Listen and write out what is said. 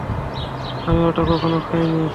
আমি ওটা কখনো খাইনি।